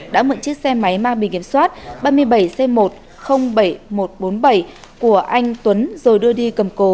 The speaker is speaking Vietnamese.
đã mượn chiếc xe máy mang bì kiểm soát ba mươi bảy c một trăm linh bảy nghìn một trăm bốn mươi bảy của anh tuấn rồi đưa đi cầm cố